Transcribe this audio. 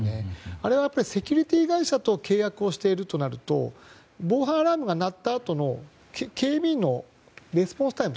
あれはセキュリティー会社と契約をしているとなると防犯アラームが鳴ったあとの警備員のレスポンスタイム